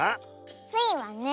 スイはね